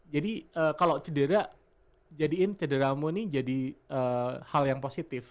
jadi kalau cedera jadiin cedera mu ini jadi hal yang positif